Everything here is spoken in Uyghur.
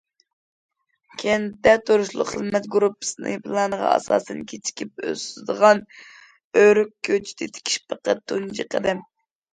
كەنتتە تۇرۇشلۇق خىزمەت گۇرۇپپىسىنىڭ پىلانىغا ئاساسەن، كېچىكىپ ئۆسىدىغان ئۆرۈك كۆچىتى تىكىش پەقەت تۇنجى قەدەم.